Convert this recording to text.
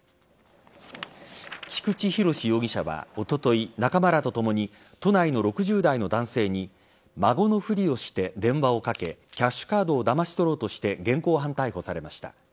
菊池博司容疑者はおととい仲間らとともに都内の６０代の男性に孫のふりをして電話をかけキャッシュカードをだまし取ろうとして現行犯逮捕されました。